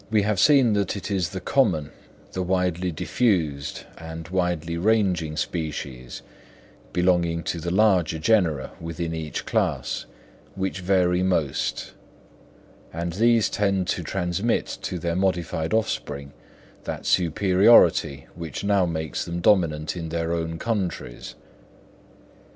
We have seen that it is the common, the widely diffused, and widely ranging species, belonging to the larger genera within each class, which vary most; and these tend to transmit to their modified offspring that superiority which now makes them dominant in their own countries.